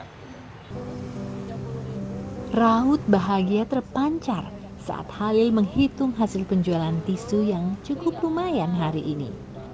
raut bahagia terpancar saat halil menghitung hasil penjualan tisu yang cukup lumayan hari ini